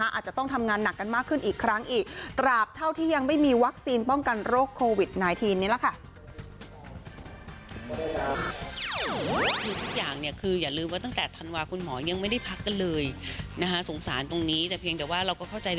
อาจจะต้องทำงานหนักกันมากขึ้นอีกครั้งอีก